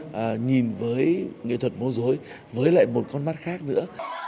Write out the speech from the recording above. và nhìn với nghệ thuật mô dối với lại một con mắt khác nữa